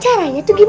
caranya tuh gimana